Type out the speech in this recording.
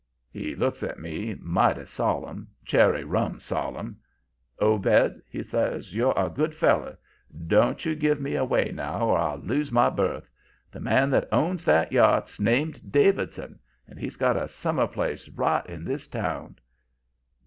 "He looked at me mighty solemn cherry rum solemn. 'Obed,' he says, 'you're a good feller. Don't you give me away, now, or I'll lose my berth. The man that owns that yacht's named Davidson, and he's got a summer place right in this town.'